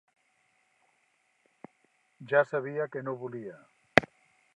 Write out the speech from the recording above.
Ja sabia què no volia.